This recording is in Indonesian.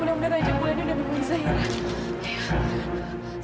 mudah mudahan aja mulai dia udah nemuin zahira